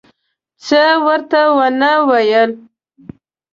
څه ورته ونه ویل.